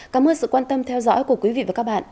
cảm ơn sự quan tâm theo dõi của quý vị và các bạn